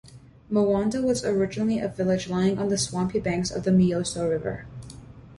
Moanda was originally a village lying on the swampy banks of the Miosso River.